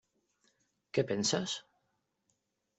Què penses?